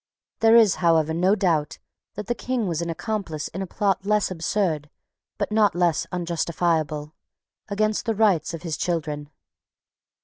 There is however no doubt that the King was an accomplice in a plot less absurd, but not less unjustifiable, against the rights of his children.